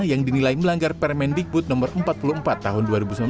yang dinilai melanggar permendikbud no empat puluh empat tahun dua ribu sembilan belas